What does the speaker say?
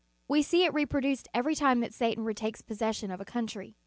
We se^ it reproduced every time that Satan retakes possession of a country.